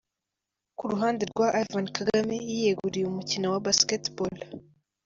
Ku ruhande rwa Ivan Kagame ,yiyeguriye umukino wa Basket Ball.